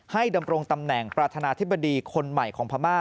ดำรงตำแหน่งประธานาธิบดีคนใหม่ของพม่า